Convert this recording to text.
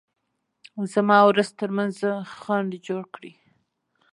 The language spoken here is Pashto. زما او رزق ترمنځ خنډ جوړ کړي.